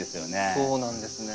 そうなんですね。